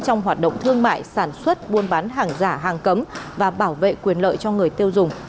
trong hoạt động thương mại sản xuất buôn bán hàng giả hàng cấm và bảo vệ quyền lợi cho người tiêu dùng